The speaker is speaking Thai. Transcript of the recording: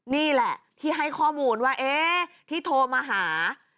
นี่แหละที่ให้ข้อมูลว่าเอ๊ะที่โทรมาหา